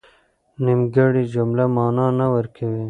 نيمګړې جمله مانا نه ورکوي.